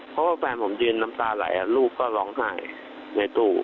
เพราะว่าแฟนผมยืนน้ำตาไหลลูกก็ร้องไห้ในตู้